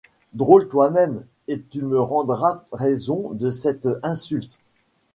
Drôle toi-même! et tu me rendras raison de cette insulte.